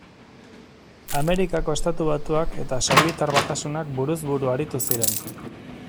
Amerikako Estatu Batuak eta Sobietar Batasunak buruz buru aritu ziren.